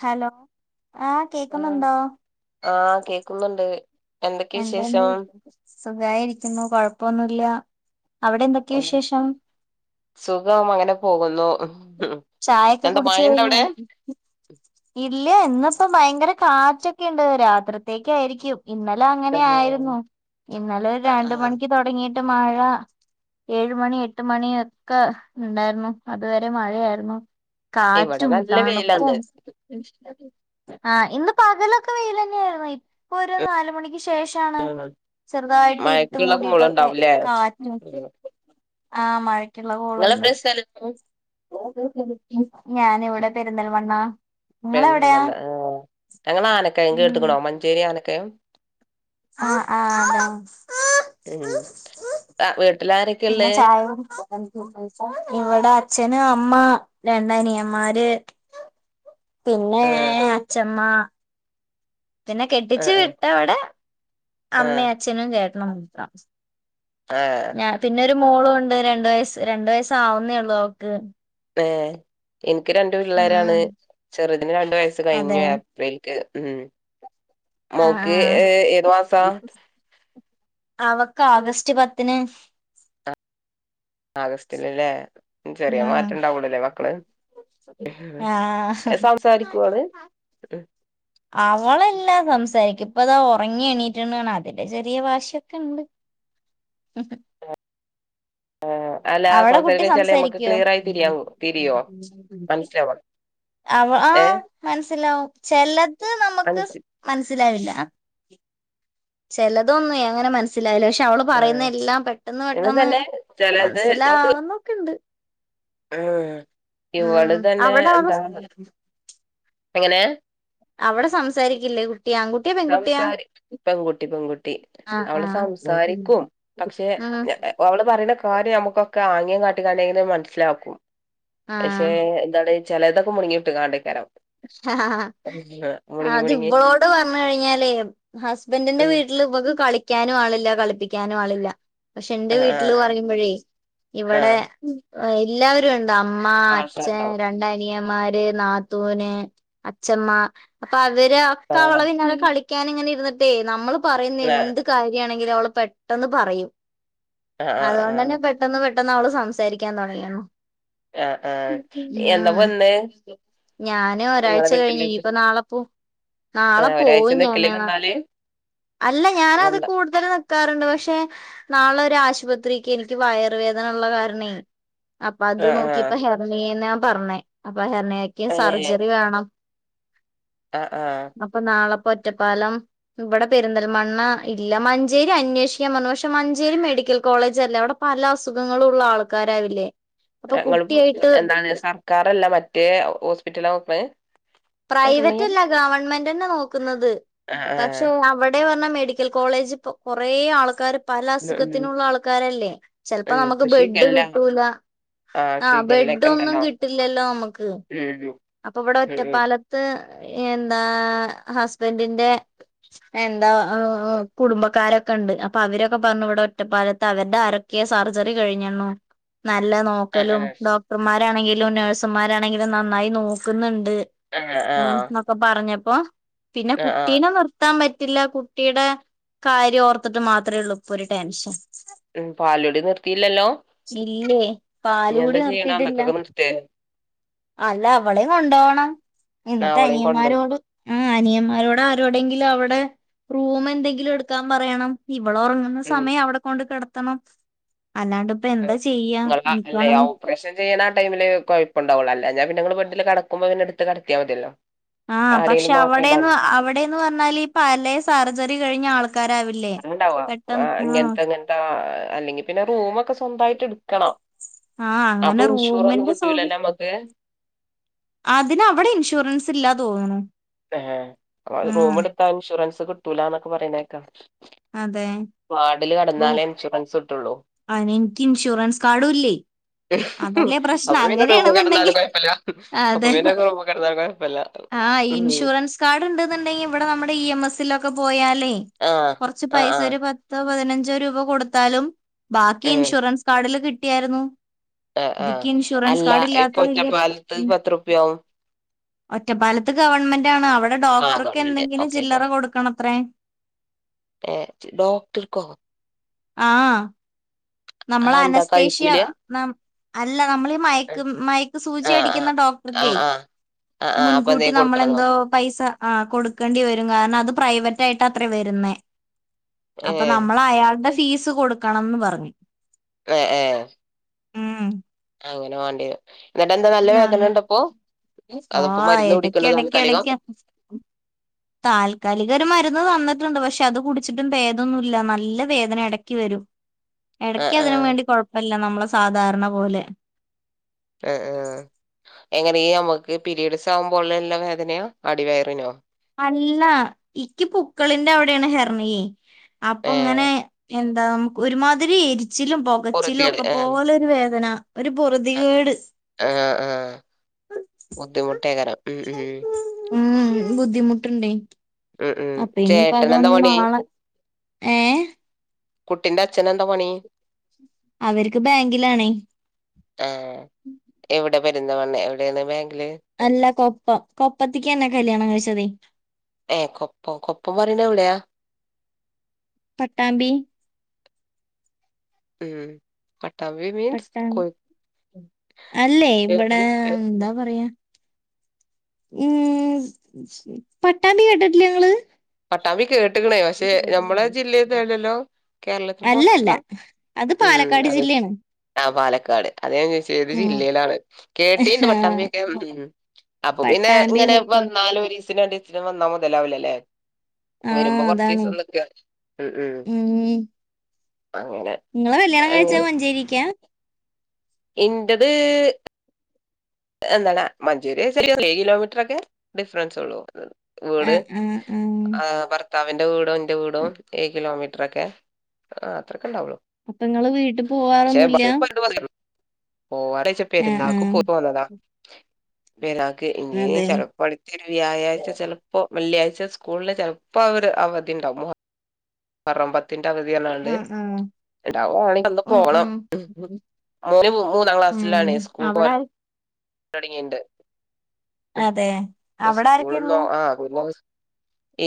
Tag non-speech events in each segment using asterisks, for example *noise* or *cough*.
Hello ആഹ് ആഹ് കേക്കുന്നുണ്ടോ ആഹ് കേക്കുന്നുണ്ട് എന്തൊക്കെ എന്താന്ന് വിശേഷം വി സുഗായിരിക്കുന്നു. കൊഴപ്പൊന്നുല്ല. അവിടെ എന്തൊക്കെ ഉം. വിശേഷം സുഖം അങ്ങനെ പോകുന്നു ചായൊക്കെ എന്താ കുടിച്ച് മഴയുണ്ട കഴിഞ്ഞ അവിടെ ഇല്ല ഇന്നപ്പ ഭയങ്കര കാറ്റൊക്കെണ്ട് രാത്രിതേക്കായിരിക്കും ഇന്നലെ അങ്ങനെ ആയിരുന്നു. ആഹ് ഇന്നലെ ഒരു രണ്ട് ആഹ് മണിക്ക് തൊടങ്ങിട്ട് മഴ ഏയു മണി എട്ട് മണി ഒക്കെണ്ടായിരുന്നു അതുവരെ മഴയായിരുന്നു ഇവിടെ കാറ്റും നല്ല വെയിലാന്ന് തണപ്പം ആ ഇന്ന് പകലൊക്കെ വെയിലെന്നെയായിരുന്നു ഇപ്പൊ ഒരു നാലുമണിക്ക് ശേഷം ഉം ചെറുതായിട്ട് ഇരിട്ട് മഴക്കുള്ള മൂടിട്ടൊക്കെ കോളുണ്ടാവൂലേ കാറ്റ് ആഹ് മഴക്കുള്ള കോളുണ്ട് നിങ്ങളെവിടെ സ്ഥലം ഞാനി വിടെ പെരന്തൽമണ്ണാ പെരിന്തൽ മണ്ണ ആ ഞങ്ങള് ആനക്കയം ങ്ക ഉം കെട്ട്ക്ണോ മഞ്ചേരി ആനക്കയം ആഹ് ആഹ് അതാ ഉം വീട്ടില് പിന്നെ ആരൊക്കെള്ളെ ചായ ഇവിടെ അച്ഛന് അമ്മ രണ്ടനിയമ്മാര് പിന്നെ ആഹ് അച്ഛമ്മ പിന്നെ കെട്ടിച്ചു ആഹ് വിട്ടവിടെ ആഹ് അമ്മയും അച്ഛനും ചേട്ടണം മത്ര ആഹ് ഞാൻ പിന്നെ ഒരു മോളുംണ്ട് രണ്ട് വയസ്സ് രണ്ടു വയസ്സാവുന്നേള്ളൂ അവക്ക് ഏ ഇൻക്ക് രണ്ട് പിള്ളേരാണ് ആഹ് ചെറുതിന് രണ്ടു വയസ്സ് കഴിഞ്ഞു അതെ പ്രിക്ക് ഉം ആ ആ മോക്ക് ഏ ഏത് മാസ അവക്ക് ആഗസ്റ്റ് പത്തിന് ആഗസ്റ്റില്ല്ലേ ചെറിയ ഉം മാറ്റണ്ടാവൊള്ളൂല്ലേ മക്കള് ആ സംസാരിക്കോള് ഉം അവളല്ലാം സംസാരിക്കും ഇപ്പതാ ഉറങ്ങി എണീറ്റുണ് അതിന്റെ ചെറിയ വാശിയൊക്കെണ്ട് ഏഹ് അല്ല അവിടെ കുട്ടി സംസാരിക്കാ വെച്ചാല് നമുക്ക് സംസാരിക്കുവോ ക്ലിയർ ആയി തിരിയാവോ തിരിയോ *unintelligible* അവ ഏ ആഹ് മനസിലാവും ചെലത് നമ്മക്ക് മനസ് മനസിലാവില്ല ചെലതൊന്നും അങ്ങനെ മൻ സ്സിലാവൂല്ല ക്ഷെ അവള് ആ പറയുന്ന എല്ലാം പെട്ടെന്ന് ഇവള് പെട്ടെന്ന് തന്നെ ചിലത് നമുക്ക് മനസ്സിലാവുന്നൊക്ക്‌ണ്ട് ഉം ഇവള് ഉം തന്നെ അവിടെ എന്താ അവസ് എങ്ങനെ അവിടെ സംസാരിക്കില്ലേ കുട്ടി ആൺ കു സംസാരി പെൺകുട്ടി പെൺകുട്ടി ആഹ് അവള് ആഹ് സംസാരിക്കും പക്ഷെ ഉം ഓളോട് പറയുന്ന കാര്യം നമുക്കൊക്കെ ആങ്യം കാട്ടിക്കാണ്ടെങ്കിലും മനസ്സിലാക്കും പക്ഷെ ആഹ് എന്താണ് ചിലതൊക്കെ മുണുങ്ങിവിട്ട്കാണ്ടേക്കാരം അത് മുണുങ്ങി വ്വളോട് പർഞ്ഞു കഴ്‌ഞ്ഞാലേ ഹസ്ബന്റിന്റെ വീ ല് വ്വക്ക് കളിക്കാനും ആളില്ല കളിപ്പിക്കാനും ആളില്ല പക്ഷെ ന്റെ ആ ആ വീട്ടില് പറയുമ്പോഴേ ആ ആ ഇവിടെ എല്ലാവരും ഉണ്ട് അം മ്മ അച്ഛൻ ആൾക്കാരുണ്ടാവും രണ്ട് അനിയന്മാര് നാ ത്തൂന് അച്ഛമ്മ അപ്പൊ അവര് ഒക്കെ അവള ആ പിന്നെ കളി ക്കാനിങ്ങനെ ഇരുന്നിട്ടേ നമ്മള് പറയുന്ന എന്ത് കാര്യാണെങ്കിലും അവള് പെട്ടെന്ന് പറയും ആ ആ ആ അതുകൊണ്ടന്നെ പെട്ടെന്ന് പെട്ടെന്ന് അവള് സംസാരിക്കാൻ തുടങ്ങിയിരിന്നു ആഹ് ആഹ് എന്നാ വന്ന് ഞാന് നിങ്ങളെ ഒരാഴ്ച കഴിഞ്ഞു വീട്ടിലോട്ട് ഇനിപ്പൊ നാളെപ്പോവും ആ നാളെ ഒരാഴ്ച പോവും നിക്കല് ഞാന് വന്നാല് അല്ല ഞാനത് വന്ന കൂടുതല് ക്കാറുണ്ട് പക്ഷെ നാളെ ഒരു ആശുപത്രിക്ക് എനിക്ക് വയറുവേദന ഉള്ള കാരണേ അപ്പത് ആ ആ നോക്കിപ്പൊ ഹെർണിയെന്നാ പർഞ്ഞെ അപ്പൊ ഹെർണിയക്ക് ഏ സർജറി വേണം ആഹ് ആഹ് അപ്പൊ നാളെപ്പൊറ്റപ്പാലം വ്വടെ പെരിന്തൽമണ്ണ ഇല്ല മഞ്ചേരി അന്വേഷിക്കാൻ പർഞ്ഞു പക്ഷെ മഞ്ചേരി മെഡിക്കൽ കോളേജല്ലെ അവടെ പല അസുഖങ്ങളും ഉള്ള ആൾക്കാരാവില്ലേ അപ്പൊ ങ്ങള് പ്പൊ കുട്ടിയായിട്ട് എന്താണ് സർക്കാരല്ല മറ്റേ ഹോസ്പിറ്റലാ നോക്ക്ണേ പ്രൈവറ്റല്ല ഗവൺമെന്റന്നെ നോക്കുന്നത് ആ ആ പക്ഷേ അവിടെ പർഞ്ഞ മെഡി ക്കൽ കോളേജ്പ്പൊ കൊറേ ആൾക്കാര് പല ഉം ഉം അസുഖത്തിനുള്ള ആൾക്കാരല്ലേ ചെലപ്പോ ഉം ഇപ്പൊ നമുക്ക് ബെഡ് ഷിഗല്ല കിട്ടൂല ആ ആഹ് ഷിഗല്ലൊക്കെ ബെഡോന്നും ഇണ്ടല്ലോ കിട്ടില്ലല്ലോ നമ്മക്ക് ഉം ഉം അപ്പൊവിടെ ഉം ഉം ഒറ്റപ്പാല ലത്ത് എന്താ ഹസ്ബന്റിന്റെ എന്താ കുടുംബക്കാരൊക്കെണ്ട് അപ്പൊ അവരൊക്കെ പർഞ്ഞു ഇവിടെ ഒറ്റപ്പാലത്ത് അവര്ടെ ആര ക്കെ സർജറി കഴിഞ്ഞെന്നു നല്ല നോ ആ ക്കലും ആ ഡോക്ടർമാരാണെങ്കിലും നേഴ്‌സ്മ്മാരാണെങ്കിലും നന്നായി നോക്ക്ന്ന്ണ്ട് ആ ആ ന്നൊക്കെ പറഞ്ഞപ്പോ പിന്നെ ആ ആ കുട്ടീനെ നിർ ത്താൻ പറ്റില്ല കുട്ടീടെ കാര്യം ഓർത്തിട്ട് മാത്രേ ഒള്ളൂ ഇപ്പൊരു ടെൻഷൻ ഉം പാലുടി നിർത്തീല്ലല്ലോ ഇല്ലേ പാലുകുടി നിർത്തീട്ടില്ല അന്നക്കൊക്കെ നിർത്തേ അല്ല അവളേം കൊണ്ടോവണം അവളെയും കൊണ്ടോയി ഇന്നട്ടനിയന്മാരോട് ആഹ് അനിയന്മാരോട് ആരോടെങ്കിലും അവടെ റൂം എന്തെങ്കിലും എടുക്കാൻ പറയണം ഇവളൊറങ്ങ ന്ന ഉം സമയം അവിടെ കൊണ്ട് കെടത്തണം അല്ലാണ്ട് എന്താ ചെയ്യാ എനിക്കാണെങ്കി *unintelligible* പ്രേഷം ചെയ്യ്ണാ ആ ടൈമില് കൊഴപ്പണ്ടാവൊള്ളൂ അല്ല ഞാ പിന്നെ ഇങ്ങള് ബെഡിൽ കടക്കുമ്പോ പിന്നെ ഇട്ത്ത് കടത്തിയാ മതിയല്ലോ. ആഹ് പക്ഷെ ആരെങ്കിലും അവിടെന്ന് നോക്കണ്ടല്ലോ അവിടെന്ന് പറഞ്ഞാൽ ഈ പലേ സർജറി കഴിഞ്ഞ ആള് ക്കാരാവില്ലേ പെട്ടെന്ന് ആഹ് ആഹ് അല്ലെങ്കി പിന്നെ റൂമൊക്കെ സ്വന്തായിറ്റ് ഇട് ക്കണം ആ അപ്പൊ അങ്ങനെ ഇൻഷൂറൊന്നും റൂമിന്റെ സൗകര്യം കിട്ടൂലല്ലോ അമ്മക്ക്. അതിന് അവിടെ ഇൻഷൂറൻസ് ഇല്ലാ തോന്ന്ണു. ഏഹ് അപ്പ റൂമ് ഇടുത്താ ഇൻഷൂറൻസ് കിട്ടൂലന്നൊക്കെ പറയ്ണേക്കാ. അതെ. വാഡില് കടന്നാലേ ഇൻഷുറൻസ് ഇട്ടൊള്ളൂ. അതിനിൻക്ക് ഇൻഷൂറൻസ് കാർഡും ഇല്ലേ. അതല്ലേ അപ്പൊ പ്രശ്നം. പിന്നെ റൂമ് കെടന്നാലും അങ്ങനെയാണെന്നുണ്ടെങ്കിൽ കൊഴപ്പല്ല അപ്പൊ പിന്നെ റൂമമ് കെടന്നാല് കൊഴപ്പല്ല. ഉം ഇൻഷൂറൻസ് കാർഡ് ഇണ്ട്ന്ന്ണ്ടെങ്കി ഇവിടെ നമ്മടെ ഇ എം എസ്സിലൊക്കെ പോയാലേ. ആഹ് കൊർച്ച് ആഹ് പൈസ ആഹ് ഒരു പത്തോ പതിനഞ്ചോ രൂപ കൊടുത്താലും. ബാക്കി ഏഹ് ഇൻഷുറൻസ് കാർഡില് കിട്ടിയാര്ന്നു. ആഹ് ആഹ് ഇക്ക് ഇൻഷുറൻസ് അല്ല കാർഡ് ഇല്ലാത്ത ഇപ്പൊ വല്ല്യ ഒറ്റപ്പാലത്ത് മിൻ പത്ത് റുപ്യാവും ഒറ്റപ്പാലത്ത് ഗവൺമെന്റ് ആണ് അവടെ ആഹ് ഡോക്ടർക്ക് ഗവൺമെന്റ് എന്തെങ്കിലും ഓക്കെ ഓക്കെ ചില്ലറ കൊടുക്കണത്രേ. ഏഹ് ഡോക്ടർക്കൊ? ആഹ് നമ്മളെ ആഹ് എന്താ അനസ്തേഷ്യ കഴിക്കൂല ന അല്ല നമ്മൾ ഈ മയക്ക് മയക്ക് ആഹ് സൂചി ആഹ് അടിക്ക്ന്ന ഡോക്ടർക്കേ.. ആഹ് ആഹ് ആഹ് ആഹ് അപ്പൊ മുൻകൂട്ടി എന്തേലും കൊടുക്കണന്നോ നമ്മളെന്തോ പൈസ ആ കൊടുക്കേണ്ടി വെരും കാരണം അത് പ്രൈവറ്റ് ആയിട്ടാത്രെ വര്ന്നേ. അപ്പ ഏഹ് നമ്മൾ അയാൾടെ ഫീസ് കൊടുക്കണംന്ന് പറഞ്ഞു. ഏഹ് ഏഹ്. ഉം അങ്ങനെ വാണ്ടിയെരും ഇന്നട്ട് എന്താ നല്ല വേദന ഇണ്ടപ്പോ ആ അതപ്പോ മരുന്ന് എടക്ക് കുടിക്ക്ണ്ടൊ എടക്ക് താൽക്കാലികം? എടക്ക് താൽക്കാലിക ഒരു മരുന്ന് തന്ന്ട്ട്ണ്ട് പക്ഷെ അത് കുടിച്ചിട്ടും ഭേദൊന്നുല്ല നല്ല വേദന എടക്കി വെരും. എടക്ക് ആഹ് അതിനും ആഹ് വേണ്ടി കൊഴപ്പല്ല നമ്മളെ സാധാരണ പോലെ. ആ ആ എങ്ങനെ നമുക്ക് പിരീഡ്സ് ആവുമ്പോ ഉള്ള എല്ലാ വേദനയാ അടിവയറ്നോ അല്ല ഇക്കി പൂക്ക്ള്ന്റെ അവ്ടെണ് ഹെർണിയെ അപ്പ ഇങ്ങനെ ഏഹ് എന്താ നമുക്ക് ഒരുമാതിരി എരിച്ചിലും പൊകച്ചിലും പൊറുതിയേട് ഒക്ക ആഹ് പോല ഒര് വേദന ഒര് പൊറ്തികേട് ആ ആ ബുദ്ധിമുട്ടേക്കാരം ഉം ഉം ഉം ബുദ്ധിമുട്ട്ണ്ടെ ഉം ഉം ചേട്ടനെന്താ പണി നാളെ ഏ കുട്ടിന്റെ അച്ഛന് എന്താ പണി അവര്ക്ക് ബെങ്കിലാണേ, ആ എവ്ടെ പെര്ന്തൽ മണ്ണേ എവ്ടെണ് ബാങ്ക്ല് അല്ല കൊപ്പം കൊപ്പത്ത്ക്ക്യാ ഇന്നെ കല്യാണം കഴിച്ചതെ ഏ കൊപ്പൊ കൊപ്പം പറിണ എവ്ടെയാ പട്ടാമ്പി ഉം പട്ടാമ്പി മീൻസ് കോ അല്ലയ് ഇവടെ എന്താ പറയാ ഉം പട്ടാമ്പി കേട്ടിട്ടില്ല്യ ഇങ്ങള് പട്ടാമ്പി കെട്ട്ക്ക്ണ് പക്ഷെ നമ്മളെ ജില്ലെതല്ലല്ലോ കേര്ളത്തിൻ അല്ലല്ല പൊർത്താ അത് ഉം പാലക്കാട് അതെ ജില്ലയാണ് ആ പാലക്കാട് അതാ ഞാൻ ചോയ്ചെ ഏത് ഉം ജില്ലെലാണ് കേട്ടീണ്ട് പട്ടാമ്പിയൊക്കെ ഉം ഉം അപ്പൊ പിന്നെ പട്ടാമ്പി ഇങ്ങനെ കൊപ്പം വന്നാലു ഒരീസിന് രണ്ടീസം വന്നാ മൊതലാവൂ ല ലെ ആ വരുമ്പം അതാണ് കൊർച്ചീസം നിക്ക ഉം ഉം അങ്ങനെ ഇങ്ങളെ കല്യാണം കഴിച്ച അങ്ങനെ മഞ്ചേരിക്ക്യാ ഇന്റത് എന്താണ് മഞ്ചേരിയ ചോയ്ച്ച ഏയ് കിലോമീറ്ററ് ഒക്കെ ഡിഫ്റൻസ് ഒള്ളൂ ആ വീട് ആ ആ ഭർത്താവിന്റെ വീടും ഇന്റെ വീടും ഏഴ് കിലോമീറ്ററോക്കെ ആ അത്രക്കണ്ടാവോള്ളൂ അപ്പം ഇങ്ങള് വീട്ട് പോവാറൊന്നുല്ല്യ പോവാറില്ലെ ചോഴിച്ച ആ പെര്ന്നാക്ക് പോയി പോന്നതാ പെരുന്നാക്ക് ഇഞ്ഞി അതെ ചെലപ്പോ അ വ്യാഴാഴ്ച ചെലപ്പോ വെള്ളിയാഴ്ച സ്കൂൾന് ചെലപ്പോ അവര് അവധി ഇണ്ടാവും മുഹ റം പത്തിന്റെ അവദി പർഞാണ്ട് ആ ആ ഇണ്ടാവോ ആണെങ്കി അന്ന് ഉം പോണം ഉം മോന് മൂ മൂന്നാം ക്ലാസ്സ്‌ലാണേ ഉം സ്കൂൾ പോ അവിടെ ആര് തൊട്ങ്ങീണ്ട് അതെ അവിടെ സ്കൂള്ള്ളോ ആരൊക്കെയുള്ളു ആ *unintelligible*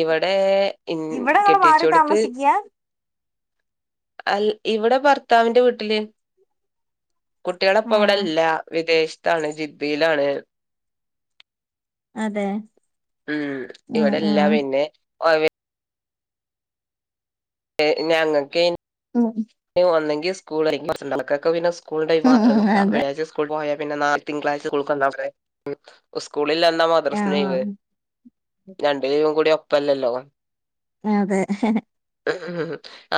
ഇവടെ ഇൻ ഇവിടെ നിങ്ങള് മാറി കെട്ടിചോട്ത്ത് താമസിക്കാ അൽ ഇവടെ ഭർത്താവിന്റെ വീട്ട്ല് കുട്ടിയള ഇപ്പ ഇവട ഉം ഇല്ല വിദേഷ്ത്താണ് ജിദ്ദിലാണ് അതെ ഉം ഉം ഇവടെ ഇല്ല ഉം പിന്നെ അവ ര് ഞങ്ങക്കിൻ ഉം ഒന്നെങ്കി സ്കൂള് *unintelligible* ക്കക്ക് പിന്നെ സ്കൂൾ ടൈമ് മാത്രം ഉം നോക്കാ അതെ വെള്ളിയാഴ്ച സ് സ്കൂൾ പോയാ പിന്നെ നാൽ തിങ്കളാഴ്ച സ്കൂൾക്ക് വന്നാ പോരെ സ്കൂളില്ലന്നാ ആ മദർസ് നോയ് വ് രണ്ട് ലീവ് കൂടി ഒപ്പല്ലല്ലോ അതെ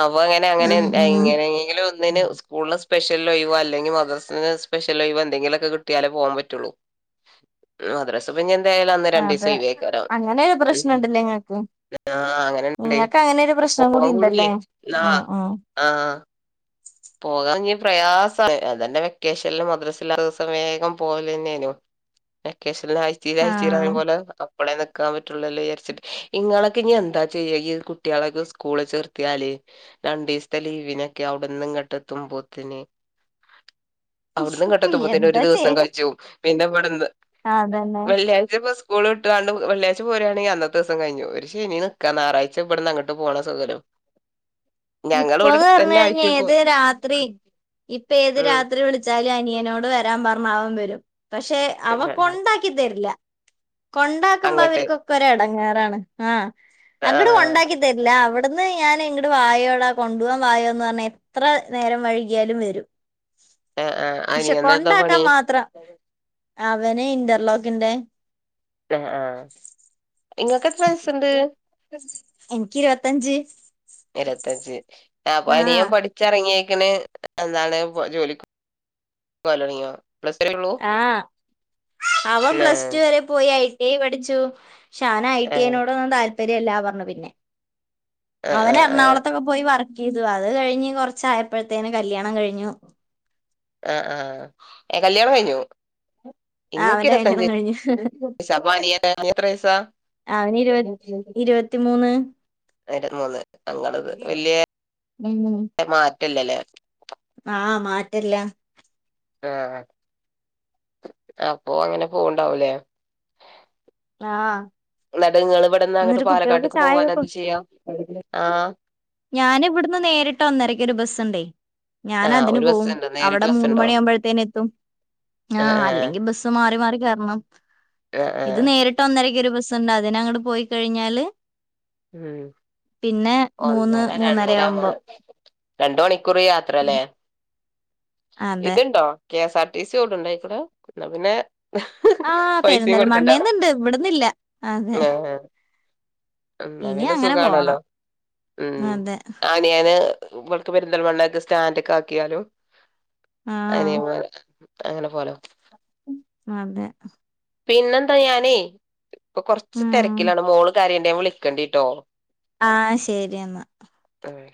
അപ്പ അങ്ങനെ അങ്ങനെ ഉം ഉം ഇങ്ങനെയെങ്കിലും ഒന്നിന് സ്കൂളിന് സ്പെഷ്യൽഒഴിവോ മദർസിന് സ്പെഷ്യൽ ഒഴിവോ എന്തെങ്കിലും കിട്ടിയാലേ പോവാൻ പറ്റ്ളു മദ്രസ പിന്നെന്തായാലുംഅന്ന് രണ്ടിസം അതെ ഒഴിവാക്കേരം അങ്ങനെ ഒരു പ്രശ്നം ഉണ്ടല്ലേ ഇങ്ങക്ക് ആഹ അങ്ങനെണ്ട ഇങ്ങക്ക് അങ്ങനെ ഒരു പ്രശ്നം പോവാൻ കൂടി കൂടു ഉണ്ടല്ലേ ലേയ്ആ ആഹ് ആഹ് അങ്ങനെണ്ട് ആ പോകാൻനി പ്രയാസം അതന്നെ വെക്കേഷനിൽ മദ്രസല്ലാത്ത ദിവസം വേഗം പോവല തന്നെയനു വെക്കേഷൻൽ ആഴ്ചല് ആഴ്ചല് ആഹ് പറേപോലെ ഇപ്പളെ നിക്കാൻ പറ്റുള്ളല്ലോ വിചരിച്ചിട്ട് ഇങ്ങളൊക്കെ ഇ എന്താ ചെയ്യ ഈ കുട്ടികളക്കെ സ്കൂള ചേർത്തിയാൽ രണ്ടീസതെ ലീവിനൊക്കെ അവിടെന്ന് ഇങ്ങോട്ട്ത്തുമ്പോത്തിൻ അവിടന്ന്ഇങ്ങ ട്ടത്തുമ്പതിന് ഒരു എന്താ ദിവസം ചെയ്യാ കജുമ് പിന്നെ ഇവിടുന്ന് അതന്നെ വെള്ളിയാഴ്ച സ്കൂൾ ഇട്ടാണ്ട് ങ്ങാണ്ട് വെള്ളാഴ്ച പോുകണെങ്കിൽ അന്നത്തെദീസം കഴിഞ്ഞു ഒരു ശനിനിക്കാ ഞായറാഴ്ച ഇവിടുന്ന് അങ്ങട്ട് പോണ സൗകര്യം *unintelligible* ഇപ്പോന്ന് പറഞ്ഞു കഴിഞ് ഏത് രാത്രി ഇപ്പൊ ഏത് ഉം രാത്രി വിളിച്ചാലും അനിയനോട് വരാൻ പറഞ്ഞാ അവൻ വരും പക്ഷെ അവ ൻകൊണ്ടാക്കി തരില്ല കൊണ്ടാക്കുമ്പോ അങ്ങട്ട് അവർക്കൊക്കെ ഒ ഇടങ്ങാറാണ് ആഹ അങ്ങട ആഹ് കൊണ്ടാക്കി തരില്ല അവിടുന്ന് ഞാൻ ഇങ്ങട് വായോ കൊണ്ടു പോവാൻ വായോന്ന്. പറഞ്ഞാൽ എത്ര നേരം വഴുകിയാലും വരും ആഹ് ആഹ് പക്ഷെ അനിയനെന്താ കൊണ്ടാക്കാൻ പണി മാത്ര അവന് ഇന്റർലോക്കിന്റെ ആ ഇങ്ങൾക്ക് എത്ര വയസുണ്ട് എനിക്ക് ഇരുപത്തഞ്ച് ഇരുപത്തഞ്ച് അപ്പൊ ആഹ് അനിയൻ പഠിച്ചിറങ്ങിയക്കണ് എന്താണ് ജോലിക്ക് പോവാലോടങ്ങിയോ ആഹ അവൻ പ്ലസ് ആഹ് ടു വരെ പോയി ഐ ടി ഐ പഠിച്ചു പക്ഷെ അവന ഐ ടി ആഹ് ഐനോടൊന്നും താല്പര്യംല്ല പറഞ്ഞു പിന്നെ ആഹ് അവന ആഹ് ആഹ് എറണാകുളത്തൊക്കെ പോയി വർ ഇതു അത് കഴിഞ്ഞ് കൊറച്ചായപ്പോഴത്തേന് കല്യാണം കഴിഞ്ഞു ആ് ആഹ ഏ കല്യാണം കഴിഞ്ഞു ആ ഇങ്ങക്ക് അവന്റെ കല്യാണം കഴിഞ്ഞു ഇരത്തഞ്ചവയസ് അപ്പൊ അനിയന് എത്ര വയസാ ആ ഇരുപ ഇരുപത്തിമൂന്ന് ഇരുപത്ത് മൂന്ന് ഞങ്ങടത് വല്ല്യേ ഉം മാറ്റല്ലല്ലേ ആഹ് മാറ്റല്ല ആഹ് അപ്പൊ അങ്ങനെ പോവുണ്ടാവുല്ലേ ആ ന്നട്ട്ങ്ങള് ഇവിടന്ന് അങ്ങട്ട് പാലക്കാട്ട്ക്ക് പോവാന ചായയൊക്കെ അത് കൊടു ചെയ്യാ ആ ഞാന് ഇവിട്ന്ന് നേരിട്ട് ഒന്നരക്ക് ഒരു ബസ്സുണ്ടേ ഞാന് ആഹ് അതിന് ഒരു പോവും ബസ്സുണ്ട് നേരിട്ട് അവടെ മൂന്ന് ബസ്സുണ്ടോ മണിയാവുമ്പോഴത്തിന് എത്തും ആ ആഹ് ആഹ് അല്ലെങ്കിൽ ബസ്സ് സ്സ് മാറി മാറി കേറണം ആഹ് ഇത് ആഹ് നേരിട്ട് ട്ട് ഒന്നരക്ക് ഒരു ബസ്ണ്ട് അതിന അങ്ങ് പോയിക്കഴിഞ്ഞാല് ഉം പിന്നെ മൂന്ന് ഒന്നര മൂന്നര രണ്ടര ആവുമ്പോം മൂന്ന് രണ്ട് മണിക്കൂർ യാത്രല്ലേ അതെ ഇത്ണ്ടോ കെ എസ് ആർ ടി ഓട്ണ്ടോ അയ്ക്കൂടെ എന്ന പിന്നെ ആഹ് പൈസയും പെരിന്തൽ കൊടുക്കണ്ട മണ്ണേന്ന്ണ്ട് ഇവിടന്നില്ല അതെ ഉം ന്ന ഇനി പിന്നെ അങ്ങനെ സുഖാണല്ലോ പോണം ഉം അതെ ഞാന് പെരുന്തൽമണ്ണൊക്ക് സ്റ്റാന്റ്ക്കാക്യാലും ആഹ് അനിയൻ പോവലാ അങ്ങനെ പോലോ ആതെ പിന്നെന്താ ഞാനേ ഇപ്പൊ കൊറ്ച്ച് ഉം തെരക്കിലാണ്. മോള് കരീണ്ട് ഞാൻ വിളിക്കണ്ടിട്ടൊ. ആഹ് ശെരി ഇന്ന ആഹ്